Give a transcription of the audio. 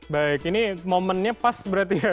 baik ini momennya pas berarti ya